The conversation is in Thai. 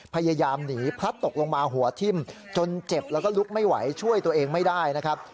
พยายามหนีพลัดตกลงมาหัวทิ่มจนเจ็บแล้วก็ลุกไม่ไหวช่วยตัวเองไม่ได้นะครับ